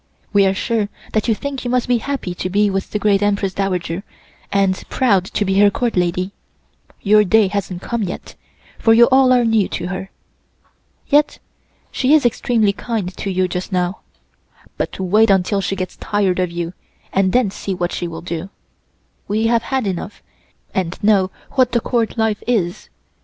We are sure that you think you must be happy to be with the great Empress Dowager, and proud to be her Court Lady. Your day hasn't come yet, for you all are new to her. Yes, she is extremely kind to you just now, but wait until she gets tired of you and then see what she will do. We have had enough, and know what the Court life is.